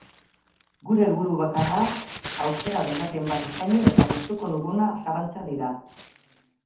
Gure helburu bakarrak aukera desberdin bat eskaini eta gustuko duguna zabaltzea dira.